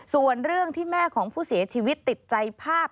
ส่วนเรื่องที่แม่ของผู้เสียชีวิตติดใจภาพ